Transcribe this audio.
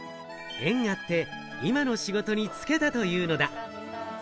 縁あって今の仕事に就けたというのだ。